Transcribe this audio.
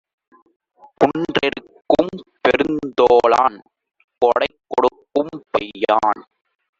குன்றெடுக்கும் பெருந்தோளான் கொடைகொடுக்கும் கையான்!